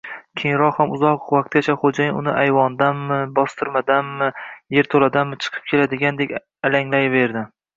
Keyinroq ham uzoq vaqtgacha xo‘jayin uni ayvondanmi, bostirmadanmi, yerto‘ladanmi chiqib keladigandek alanglayverdi